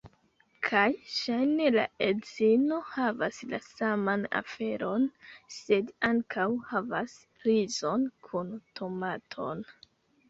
Kaj ŝajne la edzino havas la saman aferon, sed ankaŭ havas rizon kun tomaton.